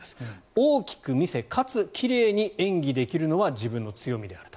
大きく見せかつ奇麗に演技できるのは自分の強みであると。